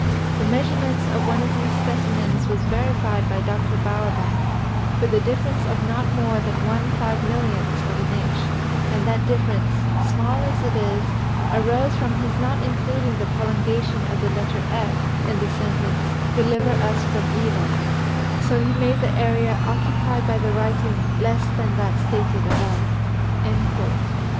The measurements of one of these specimens was verified by Dr. Bowerbank, with a difference of not more than one five millionth of an inch, and that difference, small as it is, arose from his not including the prolongation of the letter/ in the sentence 'deliver us from evil '; so he made the area occupied by the writing less than that stated above."